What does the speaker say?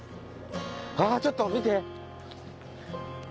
ああちょっと見て！